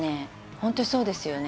ホントにそうですよね